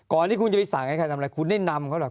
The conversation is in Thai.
ที่คุณจะไปสั่งให้ใครทำอะไรคุณได้นำเขาหรอก